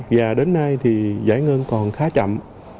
và đến nay thì giải ngân còn khá chậm